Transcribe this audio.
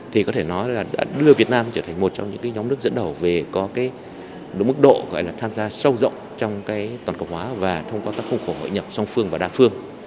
thì có thể nói là đã đưa việt nam trở thành một trong những nhóm nước dẫn đầu về có cái mức độ gọi là tham gia sâu rộng trong cái toàn cầu hóa và thông qua các khung khổ hội nhập song phương và đa phương